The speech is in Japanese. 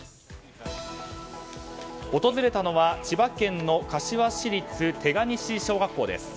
訪れたのは千葉県の柏市立手賀西小学校です。